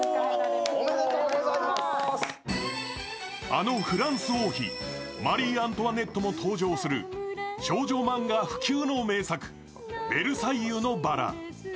あのフランス王妃・マリー・アントワネットも登場する少女漫画不朽の名作、「ベルサイユのばら」。